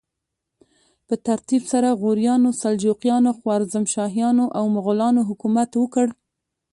په ترتیب سره غوریانو، سلجوقیانو، خوارزمشاهیانو او مغولانو حکومت وکړ.